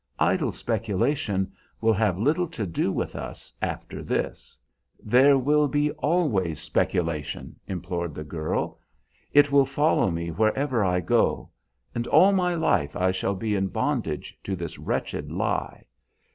Idle speculation will have little to do with us, after this." "There will be always speculation," implored the girl. "It will follow me wherever I go, and all my life I shall be in bondage to this wretched lie.